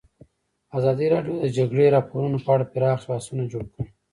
ازادي راډیو د د جګړې راپورونه په اړه پراخ بحثونه جوړ کړي.